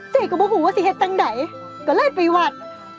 เจ๊ก็ไม่ห่วงว่าสิเหตุตังไหนก็เลยไปวัด